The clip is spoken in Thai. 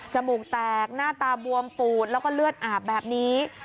มูกแตกหน้าตาบวมปูดแล้วก็เลือดอาบแบบนี้